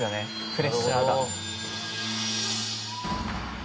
プレッシャーが。